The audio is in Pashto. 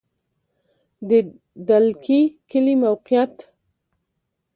د دلکي کلی موقعیت